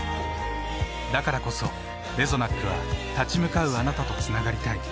だからこそレゾナックは立ち向かうあなたとつながりたい。